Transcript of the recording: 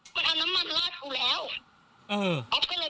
แต่ตอนที่ไฟซ์อะคือออฟก็เห็น